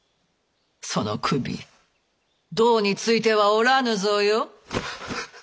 その首胴に付いてはおらぬぞよ。